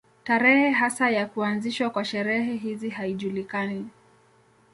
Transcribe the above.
Tarehe hasa ya kuanzishwa kwa sherehe hizi haijulikani.